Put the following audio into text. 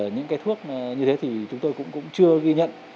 những cái thuốc như thế thì chúng tôi cũng chưa ghi nhận